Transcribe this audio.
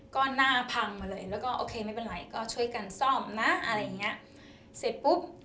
ก็พบผู้หญิงมาบอก